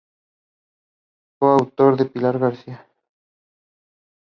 Co-autor con Pilar García.